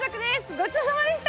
ごちそうさまでした！